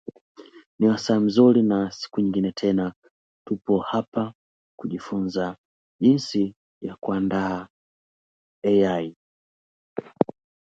His age, however, prevented his being accepted; he was only thirteen.